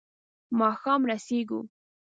ماښام رسېږو.